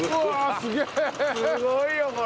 すごいよこれ！